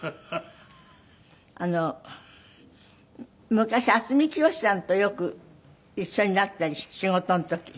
昔渥美清さんとよく一緒になったり仕事の時。